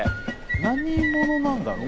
何者なんだろう。